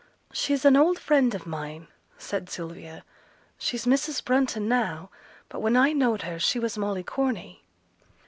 'She's an old friend of mine,' said Sylvia. 'She's Mrs. Brunton now, but when I knowed her she was Molly Corney.'